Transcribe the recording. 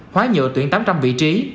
hóa nhựa tuyển tám trăm linh vị trí